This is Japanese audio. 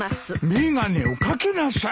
眼鏡を掛けなさい！